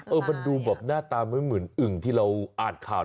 มันดูแบบหน้าตาไม่เหมือนอึ่งที่เราอ่านข่าว